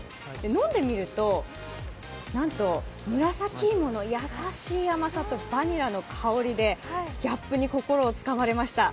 飲んで見ると、なんと紫芋の優しい甘さとバニラの香りでギャップに心つかまれました。